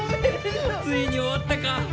ついに終わったか！